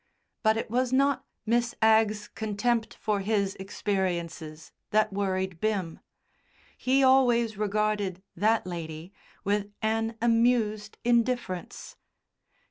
But it was not Miss Agg's contempt for his experiences that worried Bim. He always regarded that lady with an amused indifference.